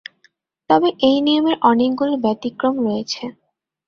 তবে এই নিয়মের অনেকগুলো ব্যতিক্রম রয়েছে।